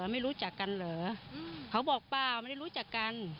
ไม่รู้จักกันเหรอเขาบอกเปล่าไม่ได้รู้จักกัน